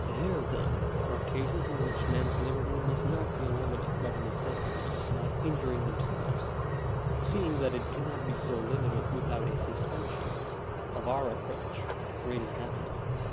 Here, then, are cases in which men's liberty must not be limited by the neces sity of not injuring themselves; seeing that it cannot be so limited without a suspension of oiir approach to greatest happi ness.